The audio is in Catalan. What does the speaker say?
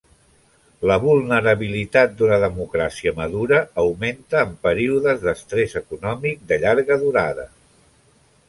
La vulnerabilitat d'una democràcia madura augmenta en períodes d'estrès econòmic de llarga durada.